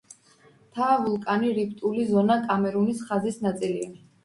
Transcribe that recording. მთა ვულკანი რიფტული ზონა კამერუნის ხაზის ნაწილია.